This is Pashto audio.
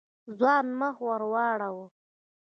ځوان مخ ور واړاوه.